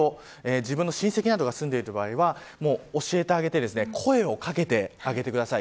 自分の親戚などが住んでいる場合は教えてあげて声を掛けてあげてください。